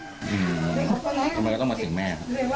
อืมทำไมแล้วต้องมาถึงแม่